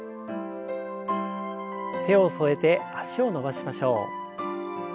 手を添えて脚を伸ばしましょう。